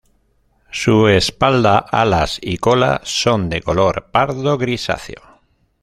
Su espalda, alas y cola son de color pardo grisáceo.